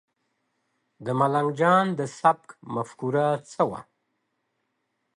د ملنګ جان د سبک مفکوره څه وه؟